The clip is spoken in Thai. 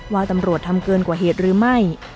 ว่าตำรวจทำเกินกว่าเหตุหรือไม่